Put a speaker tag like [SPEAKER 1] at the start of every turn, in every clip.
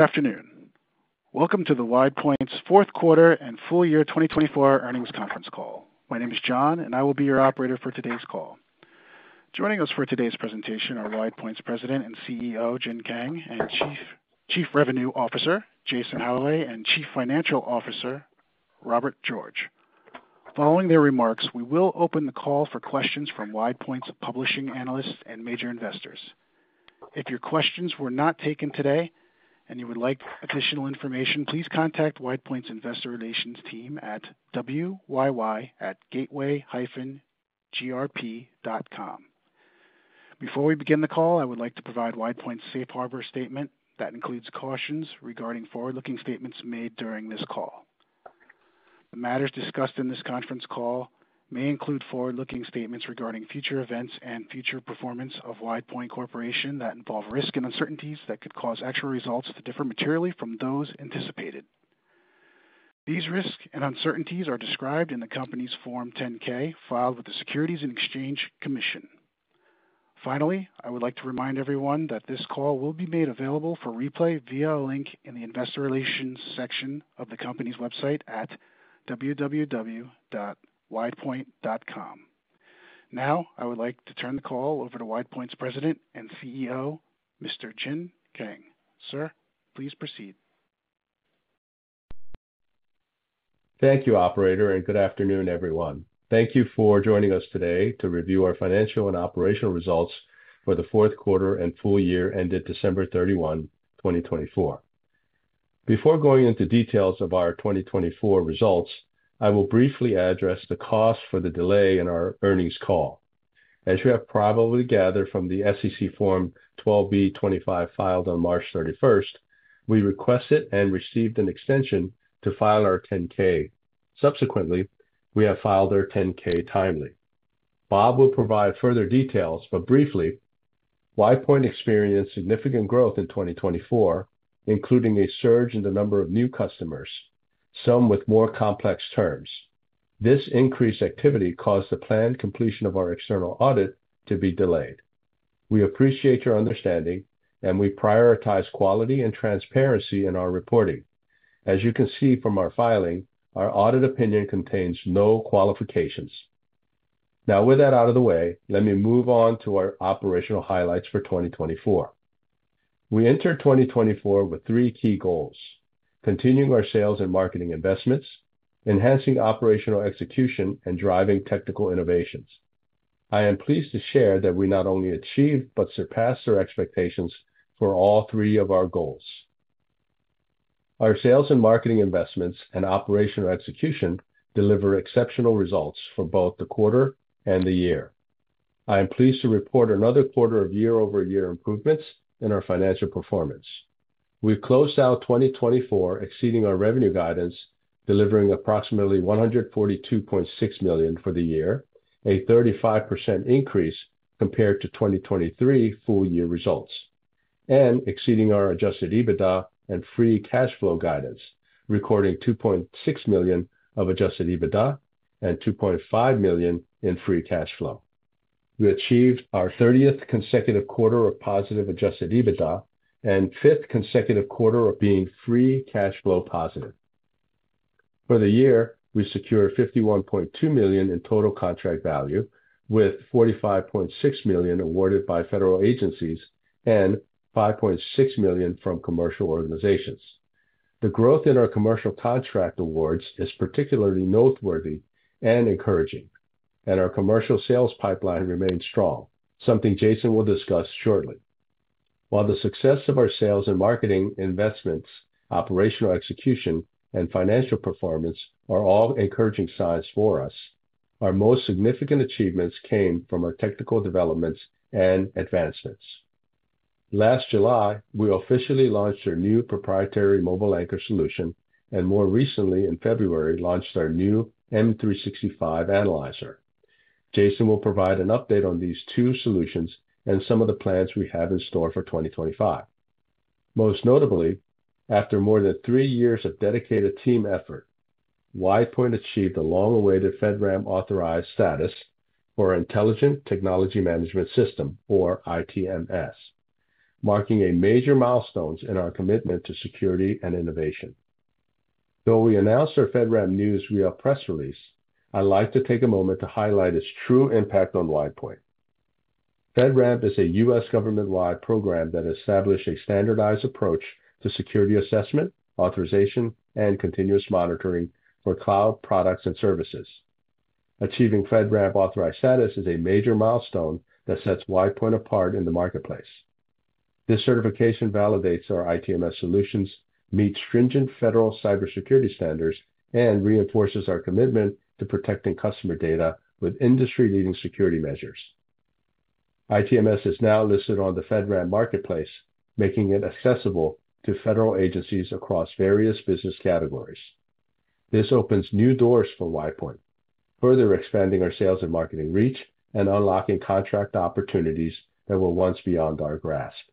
[SPEAKER 1] Good afternoon. Welcome to WidePoint's Fourth Quarter and Full Year 2024 Earnings Conference Call. My name is John, and I will be your operator for today's call. Joining us for today's presentation are WidePoint's President and CEO, Jin Kang, Chief Revenue Officer, Jason Holloway, and Chief Financial Officer, Robert George. Following their remarks, we will open the call for questions from WidePoint's publishing analysts and major investors. If your questions were not taken today and you would like additional information, please contact WidePoint's investor relations team at wyy@gateway-grp.com. Before we begin the call, I would like to provide WidePoint's safe harbor statement that includes cautions regarding forward-looking statements made during this call. The matters discussed in this conference call may include forward-looking statements regarding future events and future performance of WidePoint Corporation that involve risk and uncertainties that could cause actual results to differ materially from those anticipated. These risks and uncertainties are described in the company's Form 10-K filed with the Securities and Exchange Commission. Finally, I would like to remind everyone that this call will be made available for replay via a link in the investor relations section of the company's website at www.widepoint.com. Now, I would like to turn the call over to WidePoint's President and CEO, Mr. Jin Kang. Sir, please proceed.
[SPEAKER 2] Thank you, Operator, and good afternoon, everyone. Thank you for joining us today to review our financial and operational results for the fourth quarter and full year ended December 31, 2024. Before going into details of our 2024 results, I will briefly address the cause for the delay in our earnings call. As you have probably gathered from the SEC Form 12b-25 filed on March 31, we requested and received an extension to file our 10-K. Subsequently, we have filed our 10-K timely. Bob will provide further details, but briefly, WidePoint experienced significant growth in 2024, including a surge in the number of new customers, some with more complex terms. This increased activity caused the planned completion of our external audit to be delayed. We appreciate your understanding, and we prioritize quality and transparency in our reporting. As you can see from our filing, our audit opinion contains no qualifications. Now, with that out of the way, let me move on to our operational highlights for 2024. We entered 2024 with three key goals: continuing our sales and marketing investments, enhancing operational execution, and driving technical innovations. I am pleased to share that we not only achieved but surpassed our expectations for all three of our goals. Our sales and marketing investments and operational execution deliver exceptional results for both the quarter and the year. I am pleased to report another quarter of year-over-year improvements in our financial performance. We closed out 2024 exceeding our revenue guidance, delivering approximately $142.6 million for the year, a 35% increase compared to 2023 full year results, and exceeding our Adjusted EBITDA and free cash flow guidance, recording $2.6 million of Adjusted EBITDA and $2.5 million in Free cash flow. We achieved our 30th consecutive quarter of positive Adjusted EBITDA and fifth consecutive quarter of being Free cash flow positive. For the year, we secured $51.2 million in total contract value, with $45.6 million awarded by federal agencies and $5.6 million from commercial organizations. The growth in our commercial contract awards is particularly noteworthy and encouraging, and our commercial sales pipeline remains strong, something Jason will discuss shortly. While the success of our sales and marketing investments, operational execution, and financial performance are all encouraging signs for us, our most significant achievements came from our technical developments and advancements. Last July, we officially launched our new proprietary Mobile Anchor solution, and more recently, in February, launched our new M365 Analyzer. Jason will provide an update on these two solutions and some of the plans we have in store for 2025. Most notably, after more than three years of dedicated team effort, WidePoint achieved the long-awaited FedRAMP authorized status for Intelligent Technology Management System, or ITMS, marking major milestones in our commitment to security and innovation. Though we announced our FedRAMP news via press release, I'd like to take a moment to highlight its true impact on WidePoint. FedRAMP is a U.S. government-wide program that established a standardized approach to security assessment, authorization, and continuous monitoring for cloud products and services. Achieving FedRAMP authorized status is a major milestone that sets WidePoint apart in the marketplace. This certification validates our ITMS solutions meet stringent federal cybersecurity standards and reinforces our commitment to protecting customer data with industry-leading security measures. ITMS is now listed on the FedRAMP marketplace, making it accessible to federal agencies across various business categories. This opens new doors for WidePoint, further expanding our sales and marketing reach and unlocking contract opportunities that were once beyond our grasp.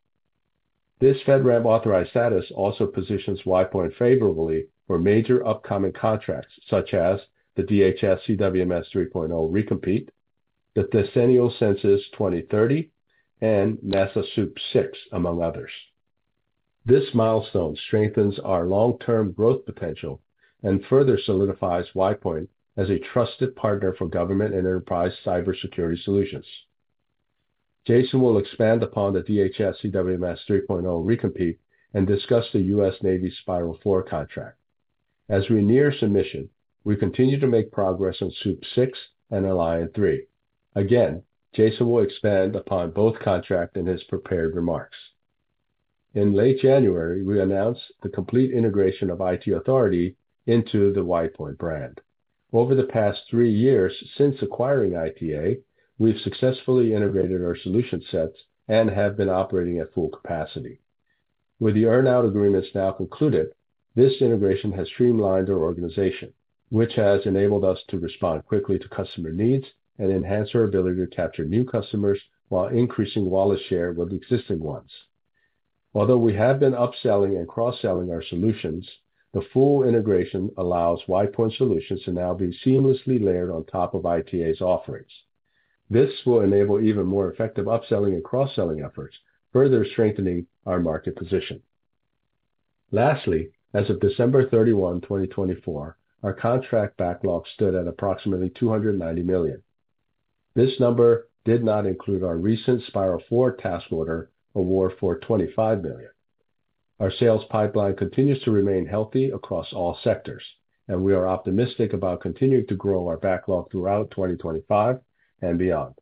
[SPEAKER 2] This FedRAMP authorized status also positions WidePoint favorably for major upcoming contracts such as the DHS CWMS 3.0 Recompete, the Decennial Census 2030, and NASA SOUP 6, among others. This milestone strengthens our long-term growth potential and further solidifies WidePoint as a trusted partner for government and enterprise cybersecurity solutions. Jason will expand upon the DHS CWMS 3.0 Recompete and discuss the U.S. Navy Spiral 4 contract. As we near submission, we continue to make progress on SOUP 6 and Alliant 3. Again, Jason will expand upon both contracts in his prepared remarks. In late January, we announced the complete integration of IT Authority into the WidePoint brand. Over the past three years since acquiring ITA, we've successfully integrated our solution sets and have been operating at full capacity. With the earn-out agreements now concluded, this integration has streamlined our organization, which has enabled us to respond quickly to customer needs and enhance our ability to capture new customers while increasing wallet share with existing ones. Although we have been upselling and cross-selling our solutions, the full integration allows WidePoint solutions to now be seamlessly layered on top of ITA's offerings. This will enable even more effective upselling and cross-selling efforts, further strengthening our market position. Lastly, as of December 31, 2024, our contract backlog stood at approximately $290 million. This number did not include our recent Spiral 4 task order award for $25 million. Our sales pipeline continues to remain healthy across all sectors, and we are optimistic about continuing to grow our backlog throughout 2025 and beyond.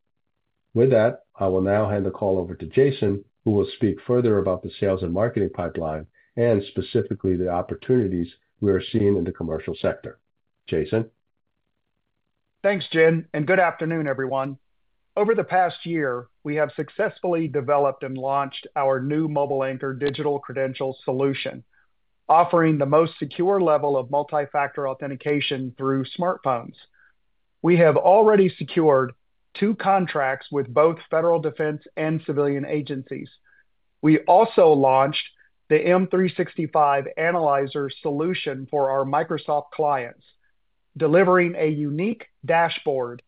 [SPEAKER 2] With that, I will now hand the call over to Jason, who will speak further about the sales and marketing pipeline and specifically the opportunities we are seeing in the commercial sector. Jason.
[SPEAKER 3] Thanks, Jin, and good afternoon, everyone. Over the past year, we have successfully developed and launched our new Mobile Anchor digital credential solution, offering the most secure level of multi-factor authentication through smartphones. We have already secured two contracts with both federal defense and civilian agencies. We also launched the M365 Analyzer solution for our Microsoft clients, delivering a unique dashboard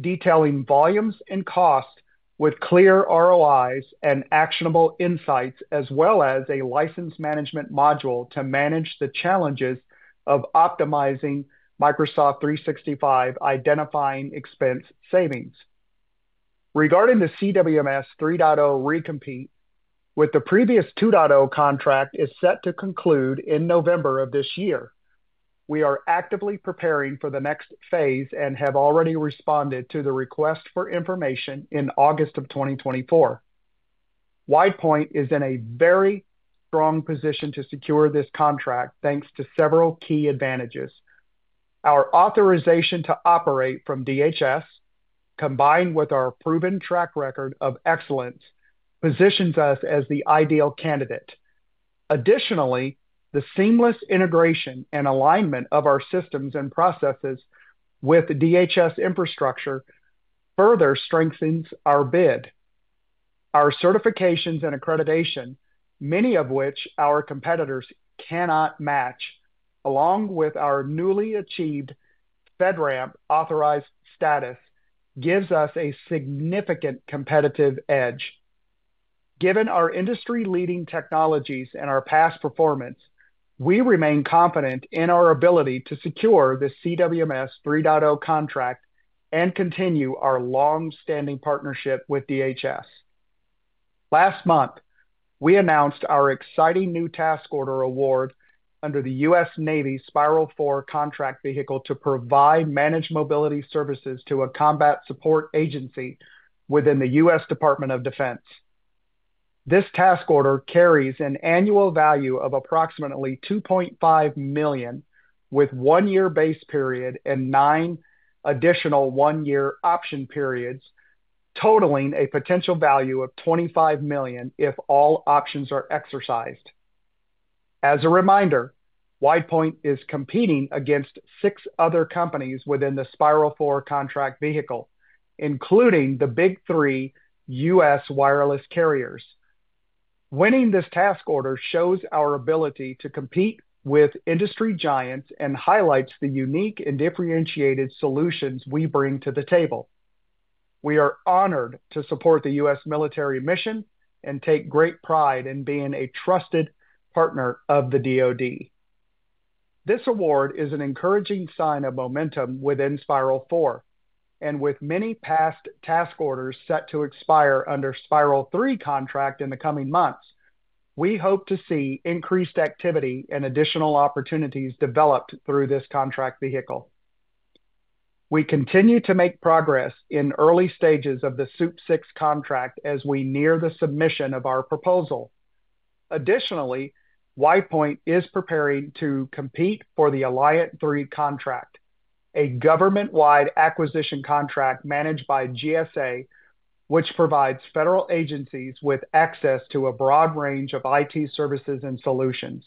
[SPEAKER 3] detailing volumes and costs with clear ROIs and actionable insights, as well as a license management module to manage the challenges of optimizing Microsoft 365, identifying expense savings. Regarding the CWMS 3.0 Recompete, with the previous 2.0 contract set to conclude in November of this year, we are actively preparing for the next phase and have already responded to the request for information in August of 2024. WidePoint is in a very strong position to secure this contract thanks to several key advantages. Our authorization to operate from DHS, combined with our proven track record of excellence, positions us as the ideal candidate. Additionally, the seamless integration and alignment of our systems and processes with DHS infrastructure further strengthens our bid. Our certifications and accreditation, many of which our competitors cannot match, along with our newly achieved FedRAMP authorized status, gives us a significant competitive edge. Given our industry-leading technologies and our past performance, we remain confident in our ability to secure the CWMS 3.0 contract and continue our long-standing partnership with DHS. Last month, we announced our exciting new task order award under the U.S. Navy Spiral 4 contract vehicle to provide managed mobility services to a combat support agency within the U.S. Department of Defense. This task order carries an annual value of approximately $2.5 million, with a one-year base period and nine additional one-year option periods, totaling a potential value of $25 million if all options are exercised. As a reminder, WidePoint is competing against six other companies within the Spiral 4 contract vehicle, including the big three U.S. wireless carriers. Winning this task order shows our ability to compete with industry giants and highlights the unique and differentiated solutions we bring to the table. We are honored to support the U.S. military mission and take great pride in being a trusted partner of the DoD. This award is an encouraging sign of momentum within Spiral 4, and with many past task orders set to expire under Spiral 3 contract in the coming months, we hope to see increased activity and additional opportunities developed through this contract vehicle. We continue to make progress in early stages of the SOUP 6 contract as we near the submission of our proposal. Additionally, WidePoint is preparing to compete for the Alliant 3 contract, a government-wide acquisition contract managed by GSA, which provides federal agencies with access to a broad range of IT services and solutions.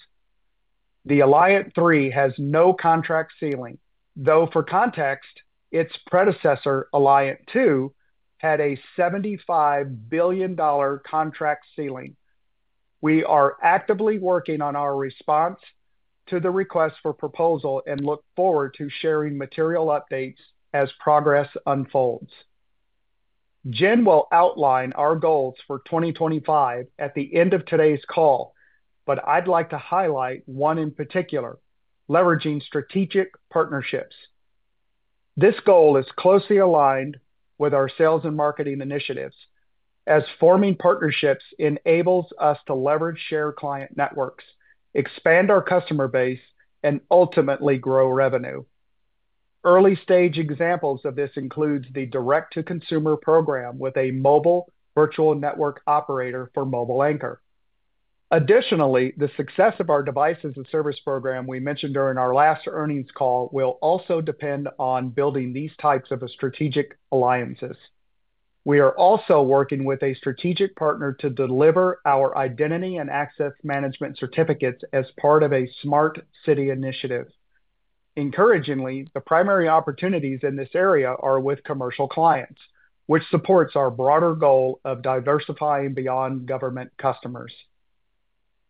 [SPEAKER 3] The Alliant 3 has no contract ceiling, though for context, its predecessor, Alliant 2, had a $75 billion contract ceiling. We are actively working on our response to the request for proposal and look forward to sharing material updates as progress unfolds. Jin will outline our goals for 2025 at the end of today's call, but I'd like to highlight one in particular: leveraging strategic partnerships. This goal is closely aligned with our sales and marketing initiatives, as forming partnerships enables us to leverage shared client networks, expand our customer base, and ultimately grow revenue. Early-stage examples of this include the direct-to-consumer program with a mobile virtual network operator for Mobile Anchor. Additionally, the success of our devices and service program we mentioned during our last earnings call will also depend on building these types of strategic alliances. We are also working with a strategic partner to deliver our Identity & Access Management certificates as part of a smart city initiative. Encouragingly, the primary opportunities in this area are with commercial clients, which supports our broader goal of diversifying beyond government customers.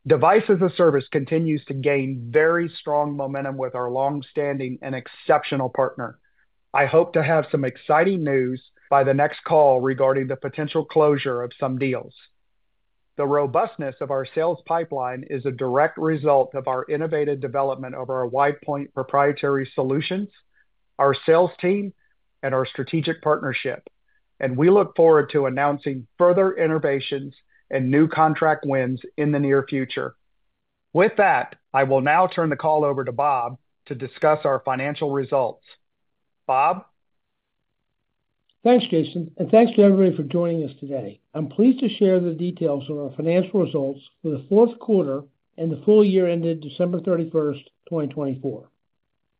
[SPEAKER 3] Devices and service continues to gain very strong momentum with our long-standing and exceptional partner. I hope to have some exciting news by the next call regarding the potential closure of some deals. The robustness of our sales pipeline is a direct result of our innovative development of our WidePoint proprietary solutions, our sales team, and our strategic partnership, and we look forward to announcing further innovations and new contract wins in the near future. With that, I will now turn the call over to Bob to discuss our financial results. Bob.
[SPEAKER 4] Thanks, Jason, and thanks to everybody for joining us today. I'm pleased to share the details of our financial results for the fourth quarter and the full year ended December 31, 2024.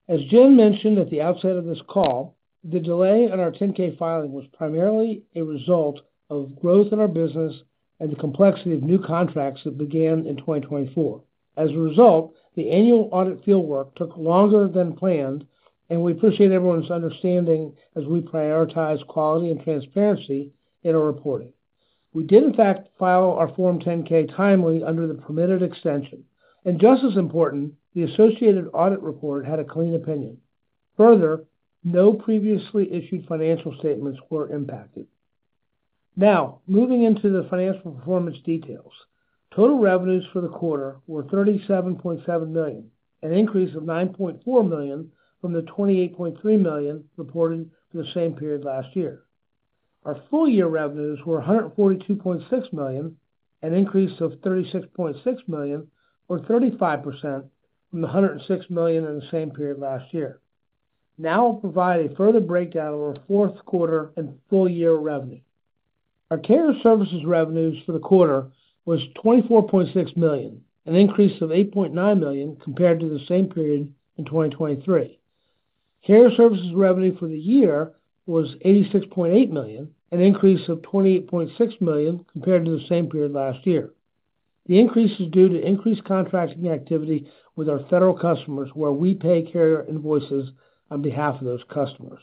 [SPEAKER 4] As Jin mentioned at the outset of this call, the delay on our 10-K filing was primarily a result of growth in our business and the complexity of new contracts that began in 2024. As a result, the annual audit fieldwork took longer than planned, and we appreciate everyone's understanding as we prioritize quality and transparency in our reporting. We did, in fact, file our Form 10-K timely under the permitted extension. Just as important, the associated audit report had a clean opinion. Further, no previously issued financial statements were impacted. Now, moving into the financial performance details, total revenues for the quarter were $37.7 million, an increase of $9.4 million from the $28.3 million reported for the same period last year. Our full year revenues were $142.6 million, an increase of $36.6 million, or 35% from the $106 million in the same period last year. Now I'll provide a further breakdown of our fourth quarter and full year revenue. Our care and services revenues for the quarter were $24.6 million, an increase of $8.9 million compared to the same period in 2023. Care and services revenue for the year was $86.8 million, an increase of $28.6 million compared to the same period last year. The increase is due to increased contracting activity with our federal customers, where we pay carrier invoices on behalf of those customers.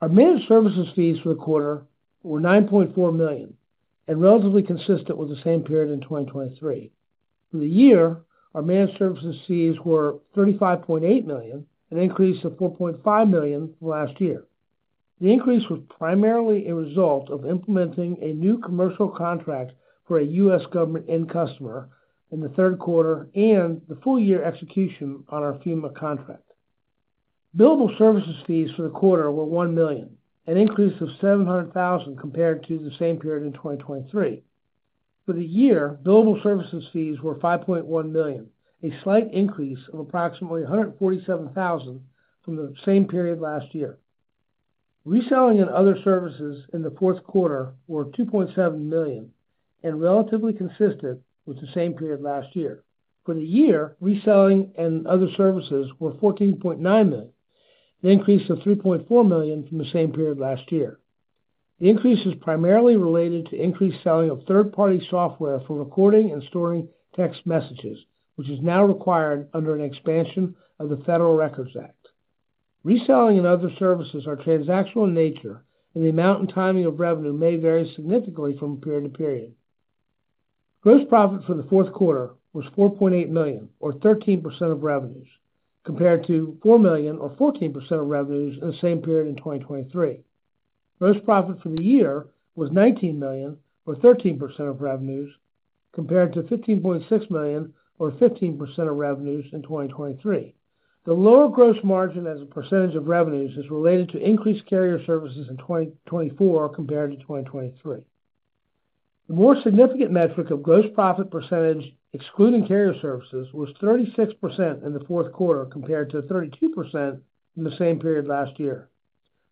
[SPEAKER 4] Our managed services fees for the quarter were $9.4 million, and relatively consistent with the same period in 2023. For the year, our managed services fees were $35.8 million, an increase of $4.5 million from last year. The increase was primarily a result of implementing a new commercial contract for a U.S. government end customer in the third quarter and the full year execution on our FEMA contract. Billable services fees for the quarter were $1 million, an increase of $700,000 compared to the same period in 2023. For the year, billable services fees were $5.1 million, a slight increase of approximately $147,000 from the same period last year. Reselling and other services in the fourth quarter were $2.7 million, and relatively consistent with the same period last year. For the year, reselling and other services were $14.9 million, an increase of $3.4 million from the same period last year. The increase is primarily related to increased selling of third-party software for recording and storing text messages, which is now required under an expansion of the Federal Records Act. Reselling and other services are transactional in nature, and the amount and timing of revenue may vary significantly from period to period. Gross profit for the fourth quarter was $4.8 million, or 13% of revenues, compared to $4 million, or 14% of revenues in the same period in 2023. Gross profit for the year was $19 million, or 13% of revenues, compared to $15.6 million, or 15% of revenues in 2023. The lower Gross margin as a percentage of revenues is related to increased carrier services in 2024 compared to 2023. The more significant metric of gross profit percentage excluding carrier services was 36% in the fourth quarter compared to 32% in the same period last year.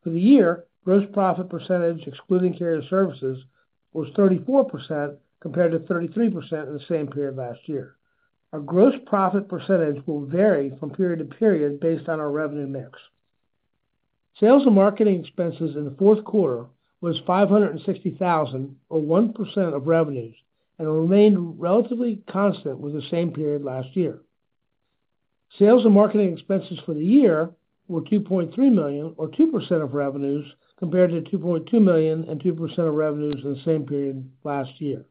[SPEAKER 4] For the year, Gross profit percentage excluding carrier services was 34% compared to 33% in the same period last year. Our Gross profit percentage will vary from period to period based on our revenue mix. Sales and marketing expenses in the fourth quarter were $560,000, or 1% of revenues, and remained relatively constant with the same period last year. Sales and marketing expenses for the year were $2.3 million, or 2% of revenues, compared to $2.2 million and 2% of revenues in the same period last year.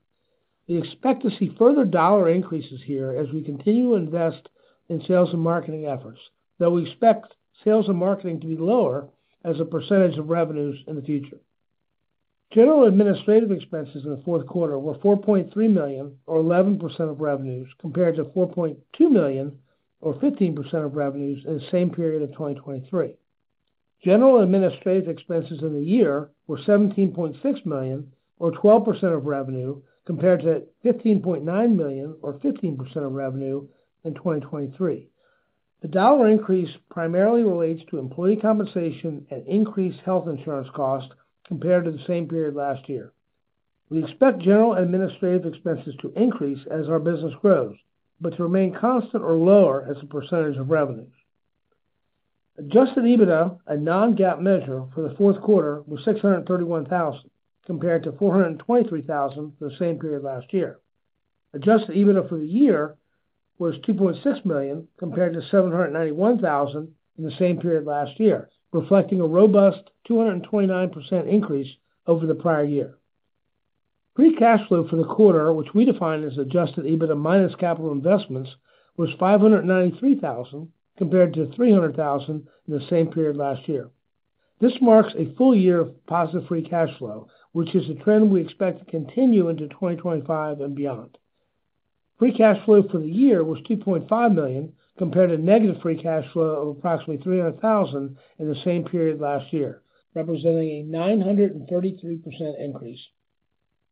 [SPEAKER 4] We expect to see further dollar increases here as we continue to invest in sales and marketing efforts, though we expect sales and marketing to be lower as a percentage of revenues in the future. General administrative expenses in the fourth quarter were $4.3 million, or 11% of revenues, compared to $4.2 million, or 15% of revenues in the same period of 2023. General administrative expenses in the year were $17.6 million, or 12% of revenues, compared to $15.9 million, or 15% of revenues in 2023. The dollar increase primarily relates to employee compensation and increased health insurance costs compared to the same period last year. We expect general administrative expenses to increase as our business grows, but to remain constant or lower as a percentage of revenues. Adjusted EBITDA, a non-GAAP measure for the fourth quarter, was $631,000, compared to $423,000 for the same period last year. Adjusted EBITDA for the year was $2.6 million, compared to $791,000 in the same period last year, reflecting a robust 229% increase over the prior year. Free cash flow for the quarter, which we define as Adjusted EBITDA minus capital investments, was $593,000, compared to $300,000 in the same period last year. This marks a full year of positive Free cash flow, which is a trend we expect to continue into 2025 and beyond. Free cash flow for the year was $2.5 million, compared to negative Free cash flow of approximately $300,000 in the same period last year, representing a 933% increase.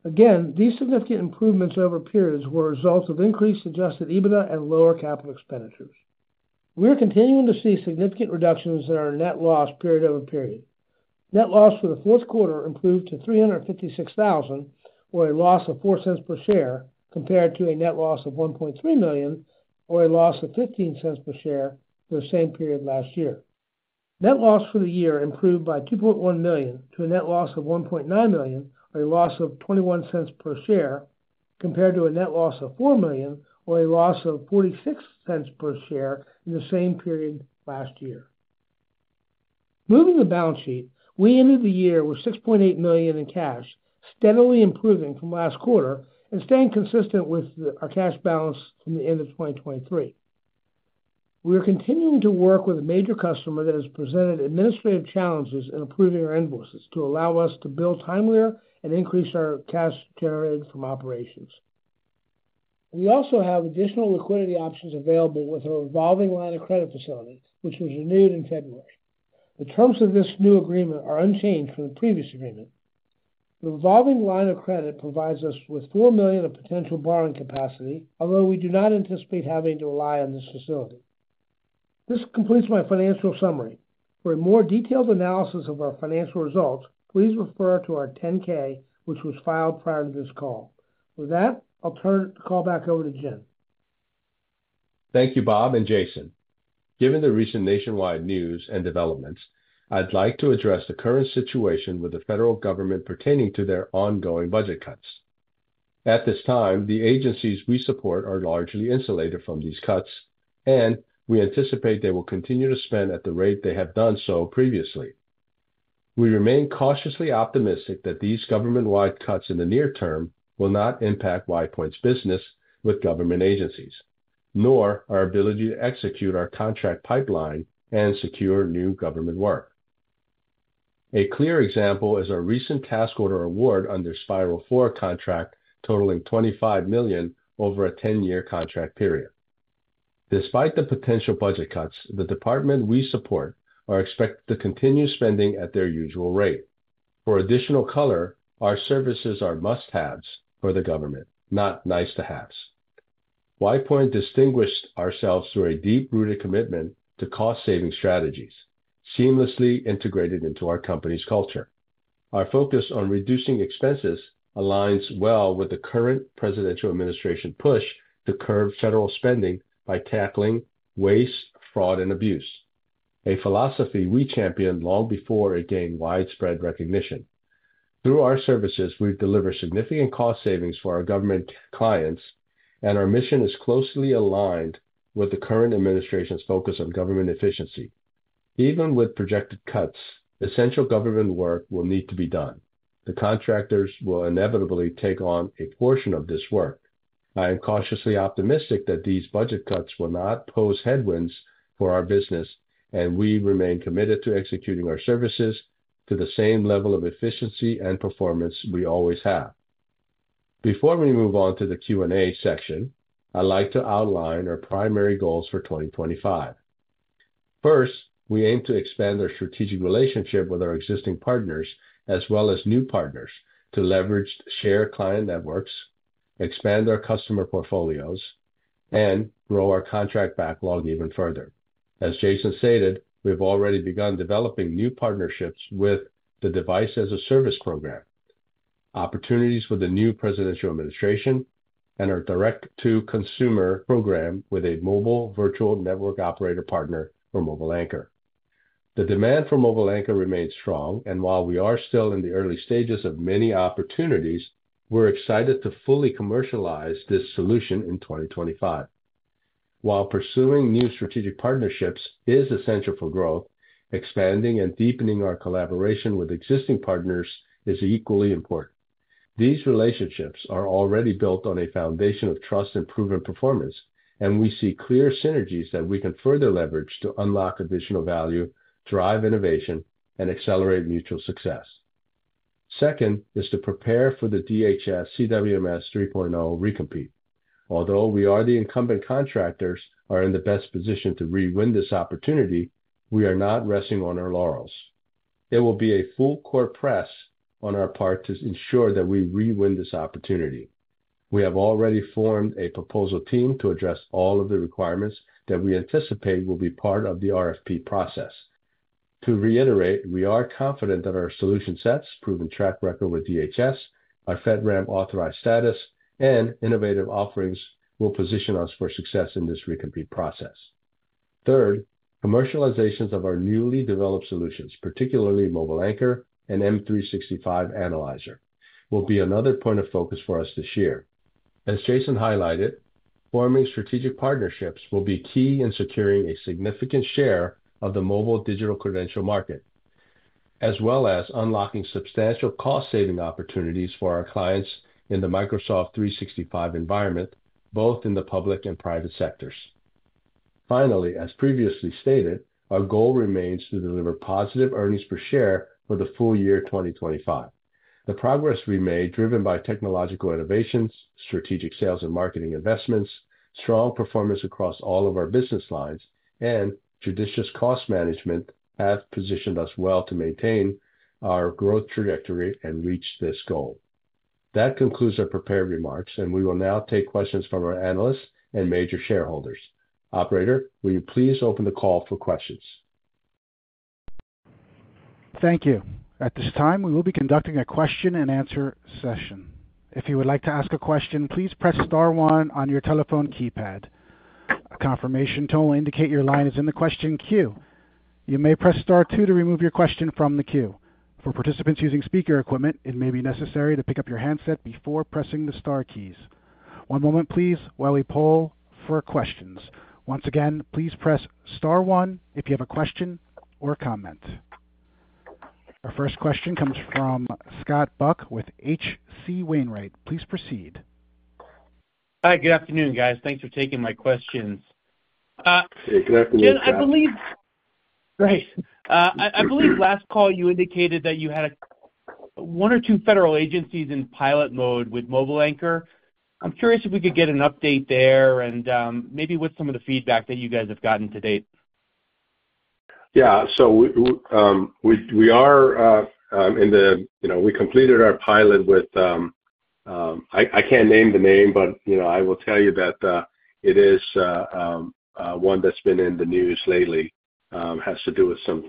[SPEAKER 4] Again, these significant improvements over periods were a result of increased Adjusted EBITDA and lower capital expenditures. We are continuing to see significant reductions in our Net loss period over period. Net loss for the fourth quarter improved to $356,000, or a loss of $0.04 per share, compared to a net loss of $1.3 million, or a loss of $0.15 per share for the same period last year. Net loss for the year improved by $2.1 million to a net loss of $1.9 million, or a loss of $0.21 per share, compared to a Net loss of $4 million, or a loss of $0.46 per share in the same period last year. Moving to the Balance sheet, we ended the year with $6.8 million in cash, steadily improving from last quarter and staying consistent with our cash balance from the end of 2023. We are continuing to work with a major customer that has presented administrative challenges in approving our invoices to allow us to bill timely and increase our cash generated from operations. We also have additional liquidity options available with a revolving line of credit facility, which was renewed in February. The terms of this new agreement are unchanged from the previous agreement. The revolving line of credit provides us with $4 million of potential borrowing capacity, although we do not anticipate having to rely on this facility. This completes my financial summary. For a more detailed analysis of our financial results, please refer to our 10-K, which was filed prior to this call. With that, I'll turn the call back over to Jin.
[SPEAKER 2] Thank you, Bob and Jason. Given the recent nationwide news and developments, I'd like to address the current situation with the federal government pertaining to their ongoing budget cuts. At this time, the agencies we support are largely insulated from these cuts, and we anticipate they will continue to spend at the rate they have done so previously. We remain cautiously optimistic that these government-wide cuts in the near term will not impact WidePoint's business with government agencies, nor our ability to execute our contract pipeline and secure new government work. A clear example is our recent task order award under Spiral 4 contract totaling $25 million over a 10-year contract period. Despite the potential budget cuts, the department we support are expected to continue spending at their usual rate. For additional color, our services are must-haves for the government, not nice-to-haves. WidePoint distinguished ourselves through a deep-rooted commitment to cost-saving strategies, seamlessly integrated into our company's culture. Our focus on reducing expenses aligns well with the current presidential administration's push to curb federal spending by tackling waste, fraud, and abuse, a philosophy we championed long before it gained widespread recognition. Through our services, we deliver significant cost savings for our government clients, and our mission is closely aligned with the current administration's focus on government efficiency. Even with projected cuts, essential government work will need to be done. The contractors will inevitably take on a portion of this work. I am cautiously optimistic that these budget cuts will not pose headwinds for our business, and we remain committed to executing our services to the same level of efficiency and performance we always have. Before we move on to the Q&A section, I'd like to outline our primary goals for 2025. First, we aim to expand our strategic relationship with our existing partners, as well as new partners, to leverage shared client networks, expand our customer portfolios, and grow our contract backlog even further. As Jason stated, we have already begun developing new partnerships with the Device-as-a-Service program, opportunities with the new presidential administration, and our direct-to-consumer program with a mobile virtual network operator partner, or Mobile Anchor. The demand for Mobile Anchor remains strong, and while we are still in the early stages of many opportunities, we're excited to fully commercialize this solution in 2025. While pursuing new strategic partnerships is essential for growth, expanding and deepening our collaboration with existing partners is equally important. These relationships are already built on a foundation of trust and proven performance, and we see clear synergies that we can further leverage to unlock additional value, drive innovation, and accelerate mutual success. Second is to prepare for the DHS CWMS 3.0 recompete. Although we are the incumbent contractors who are in the best position to rewin this opportunity, we are not resting on our laurels. It will be a full-court press on our part to ensure that we rewin this opportunity. We have already formed a proposal team to address all of the requirements that we anticipate will be part of the RFP process. To reiterate, we are confident that our solution sets, proven track record with DHS, our FedRAMP authorized status, and innovative offerings will position us for success in this recompete process. Third, commercialization of our newly developed solutions, particularly Mobile Anchor and M365 Analyzer, will be another point of focus for us this year. As Jason highlighted, forming strategic partnerships will be key in securing a significant share of the mobile digital credential market, as well as unlocking substantial cost-saving opportunities for our clients in the Microsoft 365 environment, both in the public and private sectors. Finally, as previously stated, our goal remains to deliver positive earnings per share for the full year 2025. The progress we made, driven by technological innovations, strategic sales and marketing investments, strong performance across all of our business lines, and judicious cost management, have positioned us well to maintain our growth trajectory and reach this goal. That concludes our prepared remarks, and we will now take questions from our analysts and major shareholders. Operator, will you please open the call for questions?
[SPEAKER 1] Thank you. At this time, we will be conducting a question-and-answer session. If you would like to ask a question, please press Star 1 on your telephone keypad. A confirmation tone will indicate your line is in the question queue. You may press Star 2 to remove your question from the queue. For participants using speaker equipment, it may be necessary to pick up your handset before pressing the Star keys. One moment, please, while we poll for questions. Once again, please press Star 1 if you have a question or a comment. Our first question comes from Scott Buck with H.C. Wainwright. Please proceed.
[SPEAKER 5] Hi, good afternoon, guys. Thanks for taking my questions.
[SPEAKER 2] Hey, good afternoon, Scott.
[SPEAKER 5] Jon, I believe. Great. I believe last call you indicated that you had one or two federal agencies in pilot mode with Mobile Anchor. I'm curious if we could get an update there and maybe with some of the feedback that you guys have gotten to date.
[SPEAKER 2] Yeah. We completed our pilot with, I can't name the name, but I will tell you that it is one that's been in the news lately. It has to do with some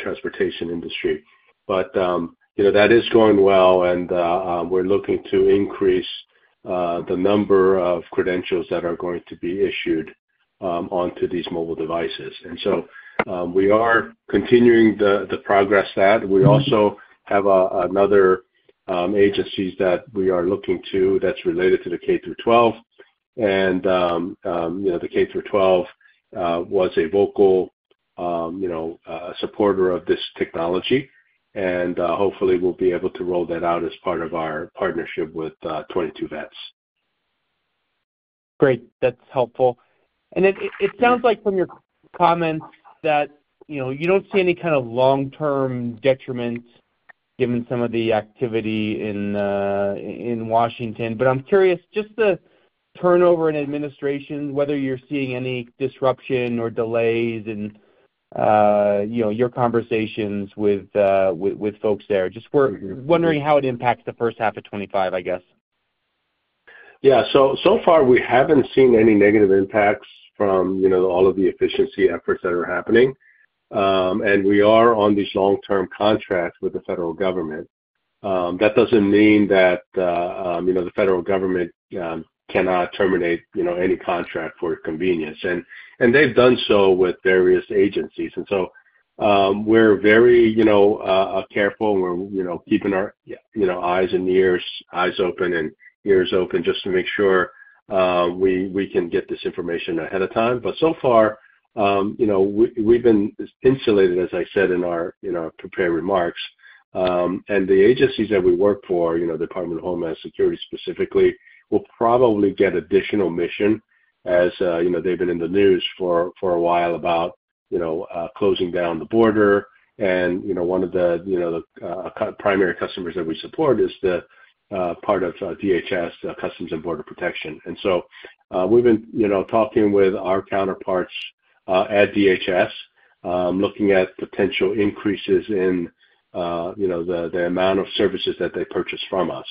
[SPEAKER 2] transportation industry. That is going well, and we're looking to increase the number of credentials that are going to be issued onto these mobile devices. We are continuing the progress. We also have another agency that we are looking to that's related to the K-12. The K-12 was a vocal supporter of this technology, and hopefully we'll be able to roll that out as part of our partnership with 22Vets.
[SPEAKER 5] Great. That's helpful. It sounds like from your comments that you don't see any kind of long-term detriment given some of the activity in Washington. I'm curious, just the turnover in administration, whether you're seeing any disruption or delays in your conversations with folks there. Just wondering how it impacts the first half of 2025, I guess.
[SPEAKER 2] Yeah. So far, we haven't seen any negative impacts from all of the efficiency efforts that are happening. We are on these long-term contracts with the federal government. That doesn't mean that the federal government cannot terminate any contract for convenience. They've done so with various agencies. We are very careful, and we're keeping our eyes and ears open just to make sure we can get this information ahead of time. So far, we've been insulated, as I said in our prepared remarks. The agencies that we work for, the Department of Homeland Security specifically, will probably get additional mission as they've been in the news for a while about closing down the border. One of the primary customers that we support is the part of DHS, Customs and Border Protection. We have been talking with our counterparts at DHS, looking at potential increases in the amount of services that they purchase from us.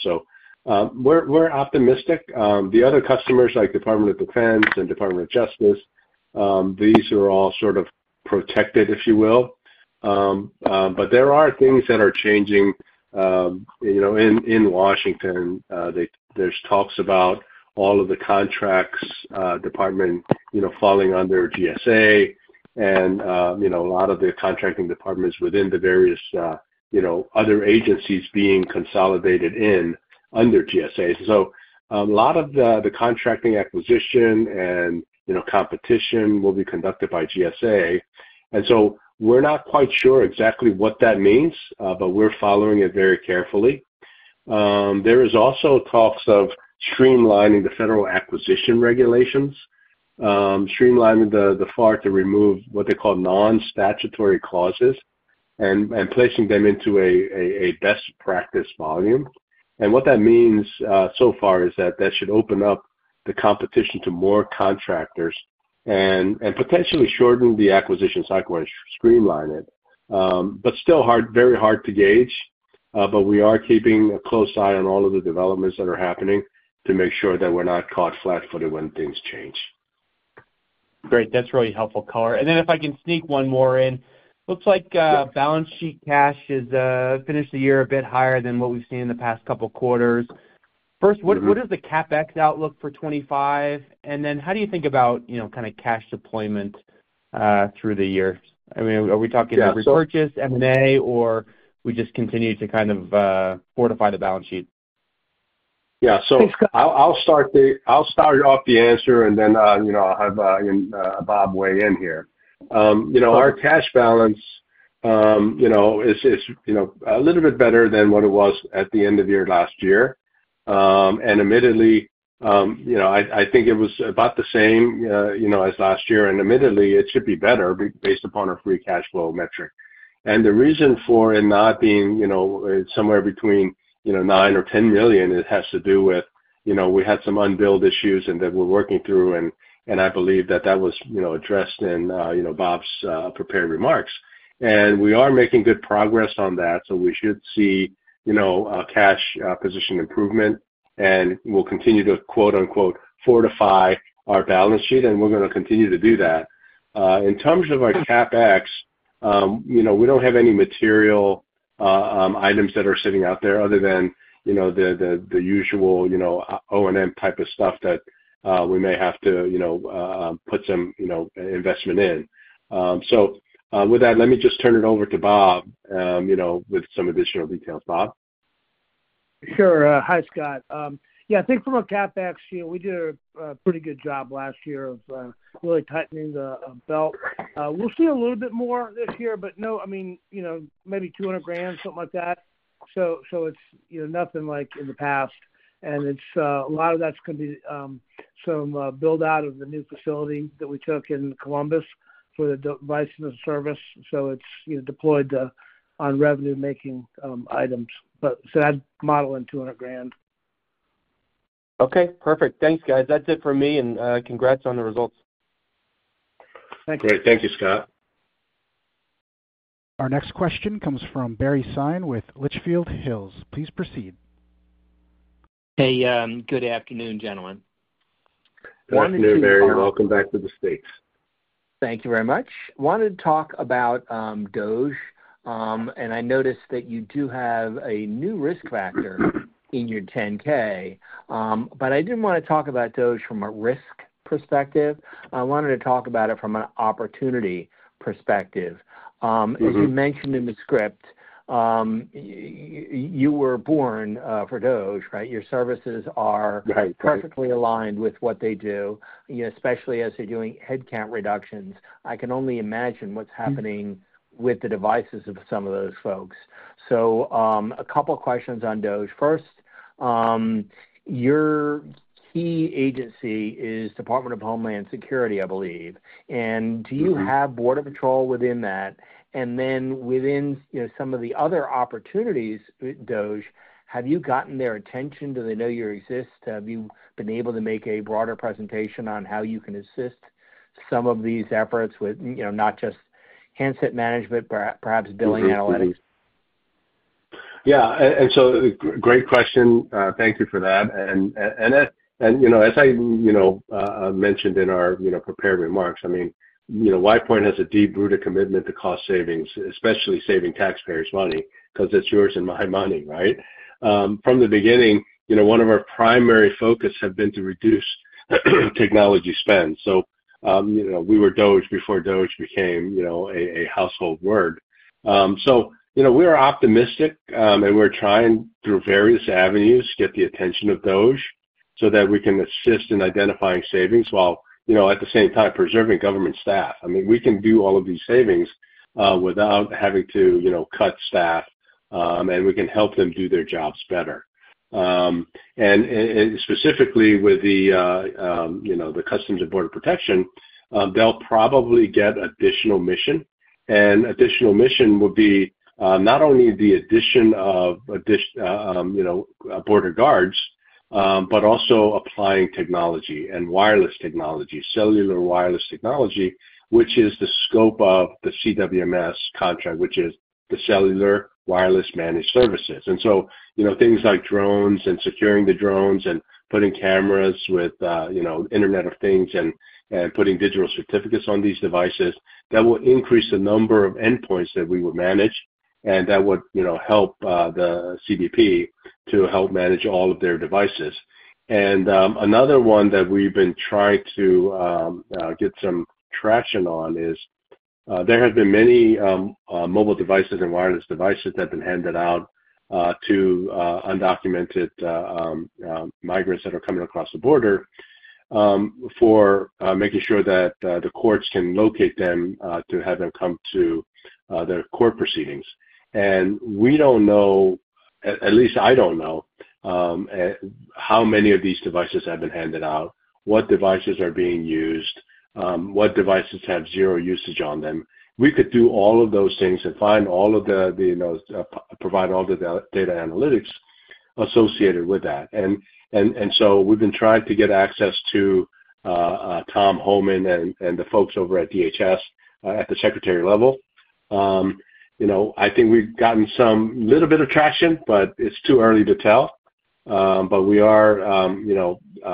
[SPEAKER 2] We are optimistic. The other customers, like the Department of Defense and the Department of Justice, these are all sort of protected, if you will. There are things that are changing in Washington. There are talks about all of the contracts department falling under GSA, and a lot of the contracting departments within the various other agencies being consolidated under GSA. A lot of the contracting acquisition and competition will be conducted by GSA. We are not quite sure exactly what that means, but we are following it very carefully. There are also talks of streamlining the federal acquisition regulations, streamlining the FAR to remove what they call non-statutory clauses and placing them into a best practice volume. What that means so far is that that should open up the competition to more contractors and potentially shorten the acquisition cycle and streamline it. It is still very hard to gauge. We are keeping a close eye on all of the developments that are happening to make sure that we're not caught flat-footed when things change.
[SPEAKER 5] Great. That's really helpful, Coler. If I can sneak one more in, looks like Balance sheet cash has finished the year a bit higher than what we've seen in the past couple of quarters. First, what is the CapEx outlook for 2025? How do you think about kind of cash deployment through the year? I mean, are we talking about repurchase, M&A, or we just continue to kind of fortify the Balance sheet?
[SPEAKER 2] Yeah. I'll start off the answer, then I'll have Bob weigh in here. Our cash balance is a little bit better than what it was at the end of year last year. Admittedly, I think it was about the same as last year. Admittedly, it should be better based upon our Free cash flow metric. The reason for it not being somewhere between $9 million or $10 million, it has to do with we had some unbilled issues that we're working through, and I believe that was addressed in Bob's prepared remarks. We are making good progress on that, so we should see a cash position improvement, and we'll continue to "fortify" our Balance sheet, and we're going to continue to do that. In terms of our CapEx, we do not have any material items that are sitting out there other than the usual O&M type of stuff that we may have to put some investment in. With that, let me just turn it over to Bob with some additional details. Bob?
[SPEAKER 4] Sure. Hi, Scott. Yeah, I think from a CapEx year, we did a pretty good job last year of really tightening the belt. We'll see a little bit more this year, but no, I mean, maybe $200,000, something like that. It's nothing like in the past. A lot of that's going to be some build-out of the new facility that we took in Columbus for the device and service. It's deployed on revenue-making items. I'd model in $200,000.
[SPEAKER 5] Okay. Perfect. Thanks, guys. That's it for me, and congrats on the results.
[SPEAKER 4] Thanks.
[SPEAKER 2] Great. Thank you, Scott.
[SPEAKER 1] Our next question comes from Barry Sine with Litchfield Hills Research. Please proceed.
[SPEAKER 6] Hey, good afternoon, gentlemen.
[SPEAKER 2] Good afternoon, Barry. Welcome back to the States.
[SPEAKER 6] Thank you very much. Wanted to talk about DHS. I noticed that you do have a new risk factor in your 10-K. I did not want to talk about DHS from a risk perspective. I wanted to talk about it from an opportunity perspective. As you mentioned in the script, you were born for DHS, right? Your services are perfectly aligned with what they do, especially as they are doing headcount reductions. I can only imagine what is happening with the devices of some of those folks. A couple of questions on DHS. First, your key agency is Department of Homeland Security, I believe. Do you have Border Patrol within that? Within some of the other opportunities with DHS, have you gotten their attention? Do they know you exist? Have you been able to make a broader presentation on how you can assist some of these efforts with not just handset management, but perhaps billing analytics?
[SPEAKER 2] Yeah. Great question. Thank you for that. As I mentioned in our prepared remarks, I mean, WidePoint has a deep-rooted commitment to cost savings, especially saving taxpayers' money because it's yours and my money, right? From the beginning, one of our primary focuses has been to reduce technology spend. We were DOGE before DOGE became a household word. We are optimistic, and we're trying through various avenues to get the attention of DOGE so that we can assist in identifying savings while at the same time preserving government staff. I mean, we can do all of these savings without having to cut staff, and we can help them do their jobs better. Specifically with the Customs and Border Protection, they'll probably get additional mission. An additional mission would be not only the addition of border guards, but also applying technology and wireless technology, cellular wireless technology, which is the scope of the CWMS contract, which is the cellular wireless managed services. Things like drones and securing the drones and putting cameras with Internet of Things and putting digital certificates on these devices, that will increase the number of endpoints that we would manage, and that would help the CBP to help manage all of their devices. Another one that we've been trying to get some traction on is there have been many mobile devices and wireless devices that have been handed out to undocumented migrants that are coming across the border for making sure that the courts can locate them to have them come to their court proceedings. We do not know, at least I do not know, how many of these devices have been handed out, what devices are being used, what devices have zero usage on them. We could do all of those things and find all of the, provide all the data analytics associated with that. We have been trying to get access to Tom Homan and the folks over at DHS at the secretary level. I think we have gotten a little bit of traction, but it is too early to tell. We are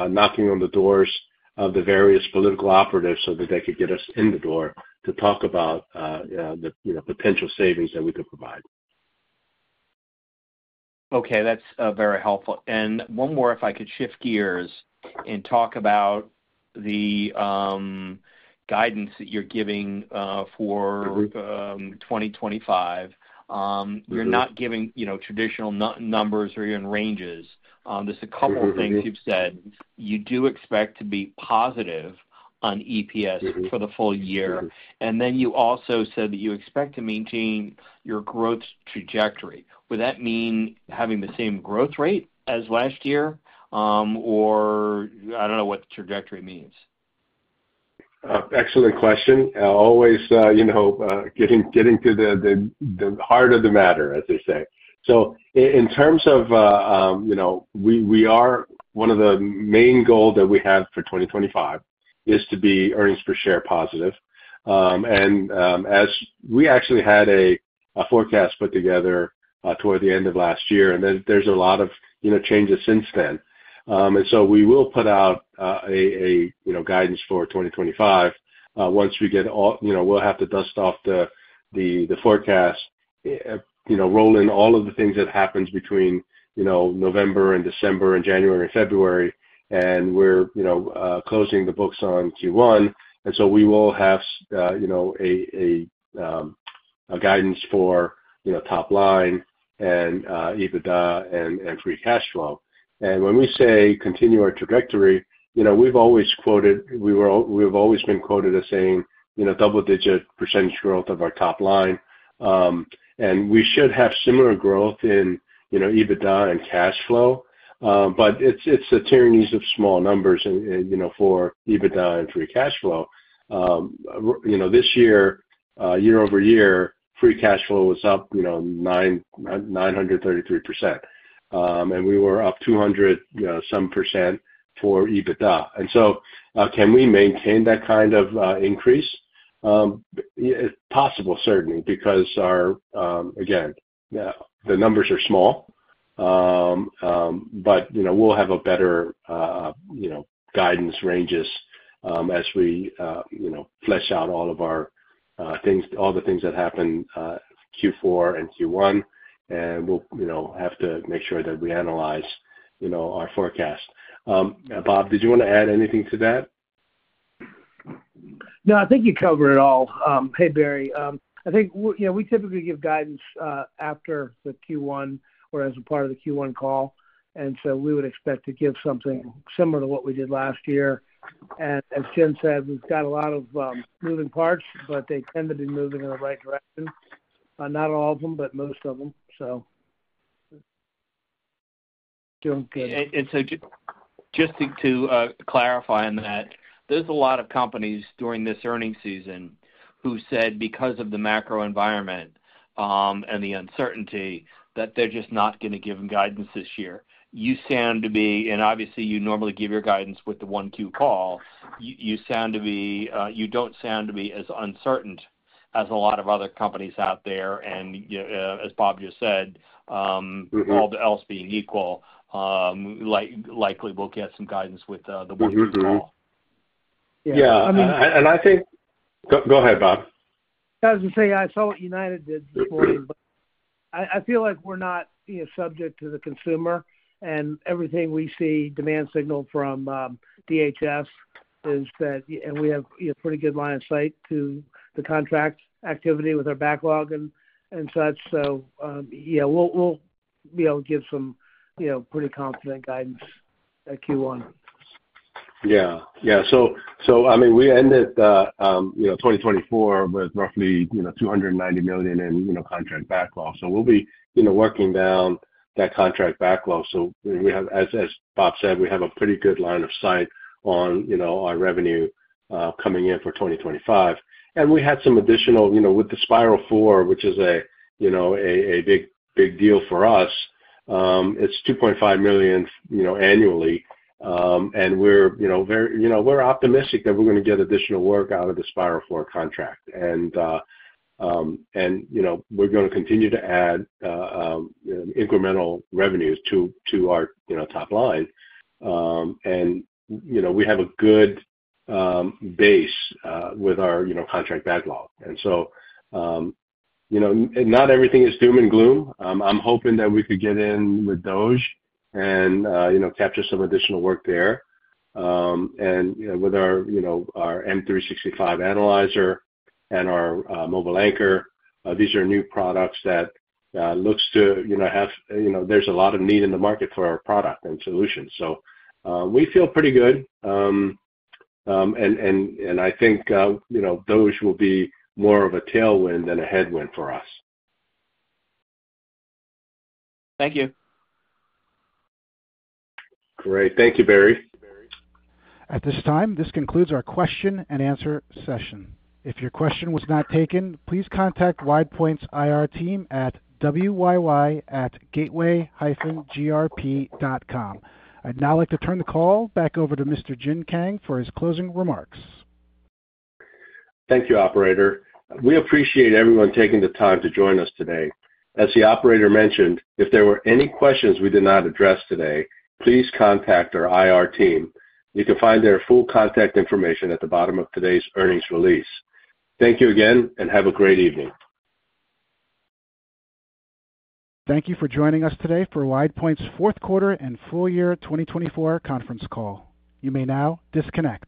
[SPEAKER 2] knocking on the doors of the various political operatives so that they could get us in the door to talk about the potential savings that we could provide.
[SPEAKER 6] Okay. That's very helpful. One more, if I could shift gears and talk about the guidance that you're giving for 2025. You're not giving traditional numbers or even ranges. There's a couple of things you've said. You do expect to be positive on EPS for the full year. You also said that you expect to maintain your growth trajectory. Would that mean having the same growth rate as last year? I don't know what the trajectory means.
[SPEAKER 2] Excellent question. Always getting to the heart of the matter, as they say. In terms of we are one of the main goals that we have for 2025 is to be earnings per share positive. We actually had a forecast put together toward the end of last year, and there's a lot of changes since then. We will put out a guidance for 2025 once we get all we'll have to dust off the forecast, roll in all of the things that happened between November and December and January and February, and we're closing the books on Q1. We will have a guidance for top line and EBITDA and Free cash flow. When we say continue our trajectory, we've always quoted we've always been quoted as saying double-digit % growth of our top line. We should have similar growth in EBITDA and Cash flow. It is the tyrannies of small numbers for EBITDA and Free cash flow. This year, year- over- year, Free cash flow was up 933%. We were up 200 some % for EBITDA. Can we maintain that kind of increase? Possible, certainly, because again, the numbers are small, but we will have better guidance ranges as we flesh out all of our things, all the things that happened Q4 and Q1. We will have to make sure that we analyze our forecast. Bob, did you want to add anything to that?
[SPEAKER 4] No, I think you covered it all. Hey, Barry. I think we typically give guidance after the Q1 or as a part of the Q1 call. We would expect to give something similar to what we did last year. As Jin said, we've got a lot of moving parts, but they tend to be moving in the right direction. Not all of them, but most of them.
[SPEAKER 6] Just to clarify on that, there's a lot of companies during this earnings season who said because of the macro environment and the uncertainty that they're just not going to give guidance this year. You sound to be, and obviously, you normally give your guidance with the one Q call. You sound to be, you don't sound to be as uncertain as a lot of other companies out there. As Bob just said, all else being equal, likely we'll get some guidance with the one Q call.
[SPEAKER 2] Yeah. I mean, and I think go ahead, Bob.
[SPEAKER 4] I was going to say I saw what United did this morning, but I feel like we're not subject to the consumer. Everything we see demand signal from DHS is that and we have a pretty good line of sight to the contract activity with our backlog and such. Yeah, we'll be able to give some pretty confident guidance at Q1.
[SPEAKER 2] Yeah. Yeah. I mean, we ended 2024 with roughly $290 million in contract backlog. We'll be working down that contract backlog. As Bob said, we have a pretty good line of sight on our revenue coming in for 2025. We had some additional with the Spiral 4, which is a big deal for us. It's $2.5 million annually. We're optimistic that we're going to get additional work out of the Spiral 4 contract. We're going to continue to add incremental revenues to our top line. We have a good base with our contract backlog. Not everything is doom and gloom. I'm hoping that we could get in with DOGE and capture some additional work there. With our M365 Analyzer and our Mobile Anchor, these are new products that look to have, there's a lot of need in the market for our product and solutions. We feel pretty good. I think DOGE will be more of a tailwind than a headwind for us.
[SPEAKER 6] Thank you.
[SPEAKER 2] Great. Thank you, Barry.
[SPEAKER 1] At this time, this concludes our question and answer session. If your question was not taken, please contact WidePoint's IR team at www.gateway-gr.com. I'd now like to turn the call back over to Mr. Jin Kang for his closing remarks.
[SPEAKER 2] Thank you, Operator. We appreciate everyone taking the time to join us today. As the Operator mentioned, if there were any questions we did not address today, please contact our IR team. You can find their full contact information at the bottom of today's earnings release. Thank you again, and have a great evening.
[SPEAKER 1] Thank you for joining us today for WidePoint's Fourth Quarter and Full Year 2024 Conference Call. You may now disconnect.